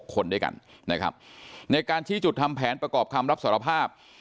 คนด้วยกันนะครับในการชี้จุดทำแผนประกอบคำรับสารภาพ